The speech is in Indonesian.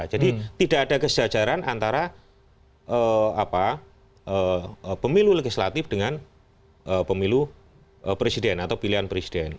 jadi tidak ada kesejahteraan antara pemilu legislatif dengan pemilu presiden atau pilihan presiden